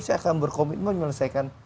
saya akan berkomitmen melaksanakan